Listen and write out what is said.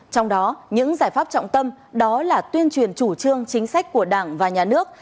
trong đó những giải pháp trọng tâm đó là tuyên truyền chủ trương chính sách của đảng và nhà nước